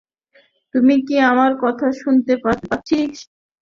তুই কি আমার কথা শুনতে পাচ্ছিস?